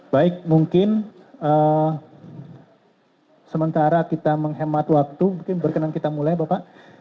baik mungkin sementara kita menghemat waktu mungkin berkenan kita mulai bapak